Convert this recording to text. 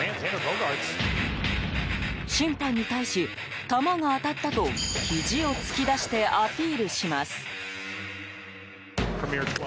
審判に対し、球が当たったとひじを突き出してアピールします。